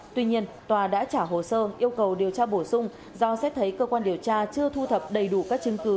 tuy nhiên tòa đã trả hồ sơ yêu cầu điều tra bổ sung do xét thấy cơ quan điều tra chưa thu thập đầy đủ các chứng cứ